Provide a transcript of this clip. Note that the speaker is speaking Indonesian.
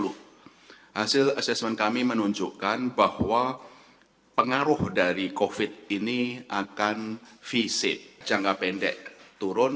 hasil asesmen kami menunjukkan bahwa pengaruh dari covid ini akan v sate jangka pendek turun